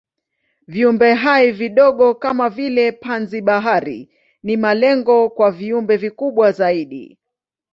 Viumbehai vidogo kama vile panzi-bahari ni malengo kwa viumbe vikubwa zaidi.